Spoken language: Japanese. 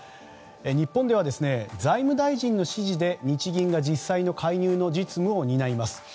日本では、財務大臣の指示で日銀が実際の介入の実務を担います。